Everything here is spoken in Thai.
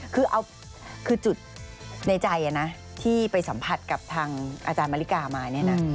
คือเอาคือจุดในใจนะที่ไปสัมผัสกับทางอาจารย์มาริกามาเนี่ยนะ